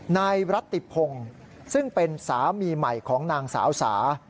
นายรัติพงศ์ซึ่งเป็นสามีใหม่ของนางสาวสา